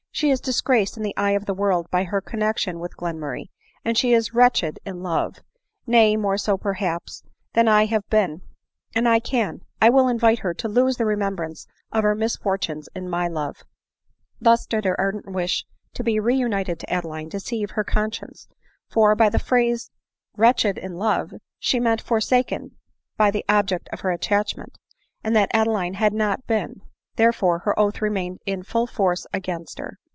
She is disgraced in the eye of the world by her connexion with Glenmurray, and she is wretched in love ; nay, more so, perhaps, than I have been ; and I can, I will invite her to lose the remembrance of her misfor tunes in my love !" Thus did her ardent wish to be re united to Adeline deceive her conscience ; for, by the phrase u wretched in love," she meant, forsaken by the object of her attach ment — and that Adeline had not been; therefore her oath remained in .full force against her.